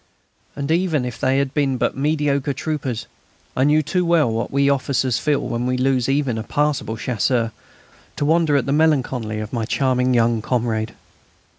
And, even if they had been but mediocre troopers, I knew too well what we officers feel when we lose even a passable Chasseur, to wonder at the melancholy of my charming young comrade.